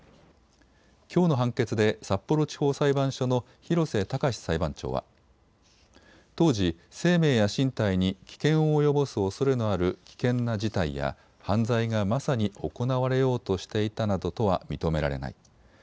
きょうの判決で札幌地方裁判所の廣瀬孝裁判長は、当時、生命や身体に危険を及ぼすおそれのある危険な事態や犯罪がまさに行われようとしていたなどとは認められない。